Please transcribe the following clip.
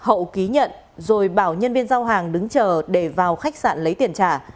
hậu ký nhận rồi bảo nhân viên giao hàng đứng chờ để vào khách sạn lấy tiền trả